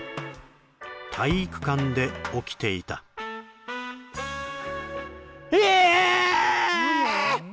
体育館で起きていたええっ！？